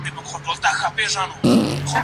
ایا څېړنه د دقیقو پوښتنو اړتیا لري؟